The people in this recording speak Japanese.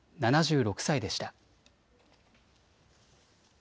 ７６歳でした。